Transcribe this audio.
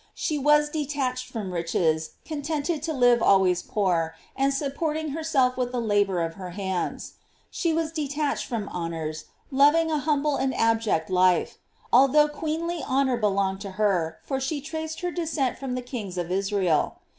She was detached from riches, contented to live always poor, and supporting herself with the labor of her hands. She was detached from honors, loving an humble and abject life, although queenly honor belonged to her, for she traced her descent from the kings of Israel.